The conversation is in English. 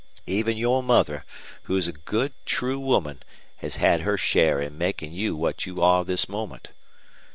Even your mother, who's a good, true woman, has had her share in making you what you are this moment.